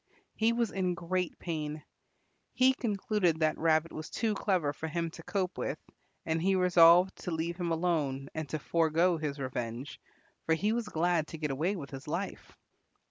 He was in great pain. He concluded that Rabbit was too clever for him to cope with, and he resolved to leave him alone and to forego his revenge, for he was glad to get away with his life.